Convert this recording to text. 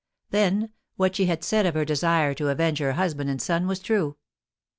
Then, what she had said of her desire to avenge her husband and son was true.